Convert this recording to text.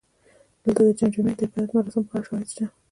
دلته د جمجمې د عبادت مراسمو په اړه شواهد شته